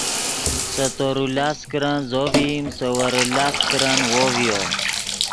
سے تورو لاست کرن زو ڤئیم سے ویرے لاست کرن وو ڤیو